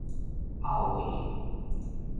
漚黃